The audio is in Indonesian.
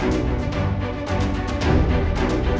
untuk mencerna semuanya